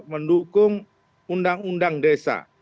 mendukung undang undang desa